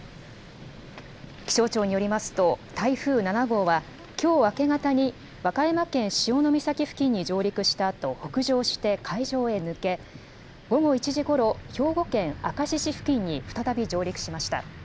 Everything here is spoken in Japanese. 気象庁によりますと、台風７号は、きょう明け方に、和歌山県潮岬付近に上陸したあと北上して海上へ抜け、午後１時ごろ、兵庫県明石市付近に再び上陸しました。